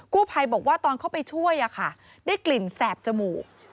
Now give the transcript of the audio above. ภัยบอกว่าตอนเข้าไปช่วยได้กลิ่นแสบจมูก